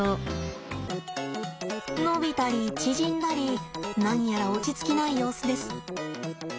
伸びたり縮んだり何やら落ち着きない様子です。